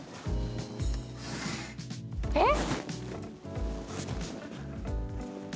えっ！